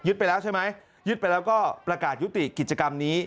ไปแล้วใช่ไหมยึดไปแล้วก็ประกาศยุติกิจกรรมนี้